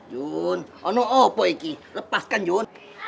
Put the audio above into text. jun apa yang kamu lakukan ini lepaskan jun